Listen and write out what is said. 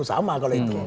sama kalau itu